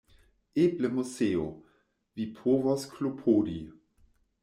Eble, Moseo; vi povos klopodi.